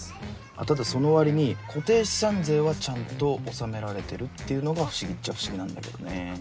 ただその割に固定資産税はちゃんと納められてるっていうのが不思議っちゃ不思議なんだけどね。